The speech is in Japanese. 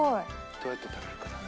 どうやって食べるかだね。